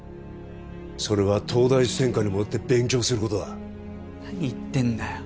それは東大専科に戻って勉強することだ何言ってんだよ